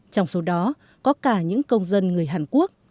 trong số đó có cả những công dân người hàn quốc